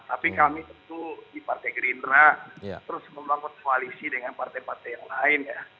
tapi kami tentu di partai gerindra terus membangun koalisi dengan partai partai yang lain ya